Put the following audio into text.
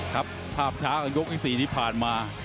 ครับภาพช้ากับยกที่๔ที่ผ่านมา